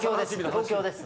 東京です。